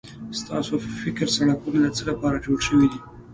ستاسو په فکر سړکونه د څه لپاره جوړ شوي دي؟